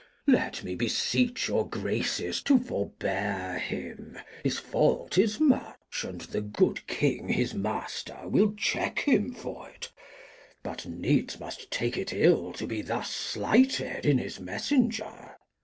Let me beseech your Graces to forbear him ; His Fault is much, and the good King his Master WiU check him for't, but needs must take it ill To be thus slighted in his Messenger.